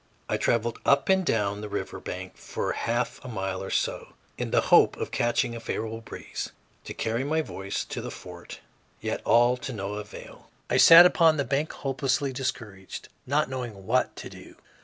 I traveled up and down the river bank for half a mile or so, in the hope of catching a favorable breeze to carry my voice to the fort, yet all to no avail. I sat upon the bank hopelessly discouraged, not knowing what to do.